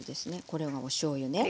これがおしょうゆね。